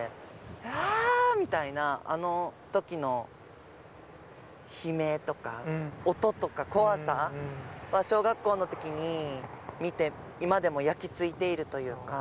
あーっみたいな、あのときの悲鳴とか、音とか怖さは、小学校のときに見て、今でも焼き付いているというか。